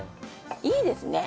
いいですね！